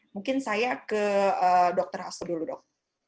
mungkin saya ke dr hasto dulu dok